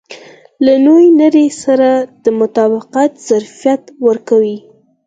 له نوې نړۍ سره د مطابقت ظرفیت ورکوي.